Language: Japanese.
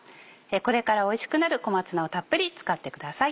これからおいしくなる小松菜をたっぷり使ってください。